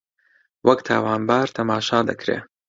وەک تاوانبار تەماشا دەکرێ